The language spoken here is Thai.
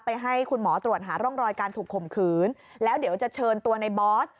ให้คุณหมอตรวจหาร่องรอยการถูกข่มขืนแล้วเดี๋ยวจะเชิญตัวในบอส